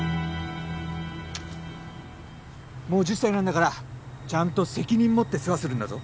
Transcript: もう１０歳なんだからちゃんと責任持って世話するんだぞ。